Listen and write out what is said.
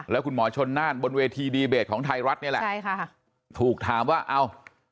แล้วคุณหมอชนน่านบนเวทีดีเบตของไทยรัฐนี่แหละใช่ค่ะถูกถามว่าเอ้า